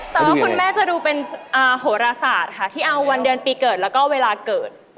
แต่ว่าคุณแม่จะดูเป็นโหรศาสตร์ค่ะที่เอาวันเดือนปีเกิดแล้วก็เวลาเกิด